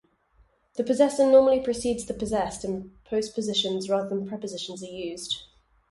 The possessor normally precedes the possessed, and postpositions rather than prepositions are used.